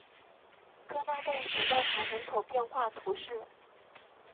戈纳盖小教堂人口变化图示